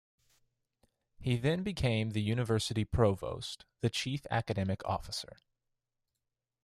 He then became the university provost, the chief academic officer.